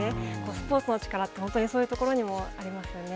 スポーツの力って、そういうところにもありますよね。